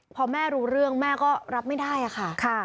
พอแม่รู้เรื่องแม่ก็รับไม่ได้ค่ะ